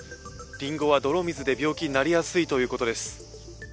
りんごは泥水で病気になりやすいということです。